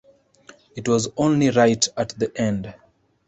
It was only right at the end.